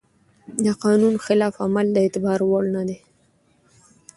د قانون خلاف عمل د اعتبار وړ نه دی.